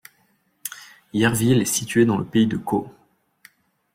Yerville est située dans le pays de Caux.